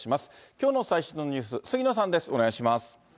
きょうの最新のニュース、杉野さんです。